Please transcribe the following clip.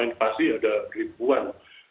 invasi ada ribuan